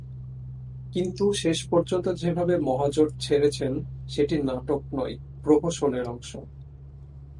কিন্তু শেষ পর্যন্ত যেভাবে মহাজোট ছেড়েছেন, সেটি নাটক নয়, প্রহসনের অংশ।